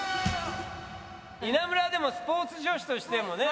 稲村はでもスポーツ女子としてもね。